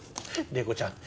麗子ちゃん